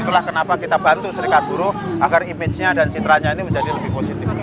itulah kenapa kita bantu serikat buruh agar image nya dan citranya ini menjadi lebih positif